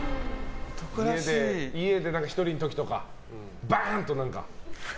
家で１人の時とかバーンと。